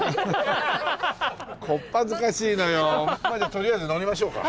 とりあえず乗りましょうか。